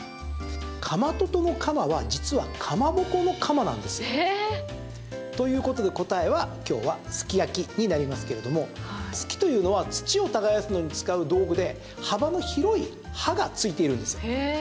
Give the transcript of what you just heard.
かまととの「かま」は、実はかまぼこの「かま」なんですよ。ということで答えは今日はすき焼きになりますけども「鋤」というのは土を耕すのに使う道具で幅の広い刃がついているんですよ。へ−。